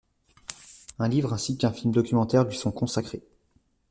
Un livre ainsi qu'un film documentaire lui sont consacrés.